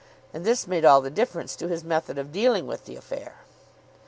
And this made all the difference to his method of dealing with the affair.